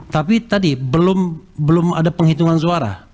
tapi tadi belum ada penghitungan suara